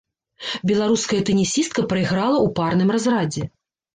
Беларуская тэнісістка прайграла ў парным разрадзе.